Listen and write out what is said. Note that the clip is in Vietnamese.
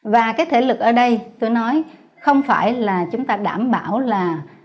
và cái thể lực ở đây tôi nói không phải là chúng ta đảm bảo là